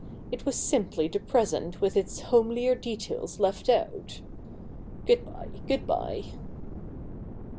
It was simply the present with its homelier details left out. Good bye — good bye.'